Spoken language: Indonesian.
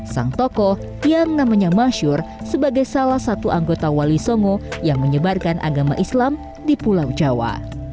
sang tokoh yang namanya masyur sebagai salah satu anggota wali songo yang menyebarkan agama islam di pulau jawa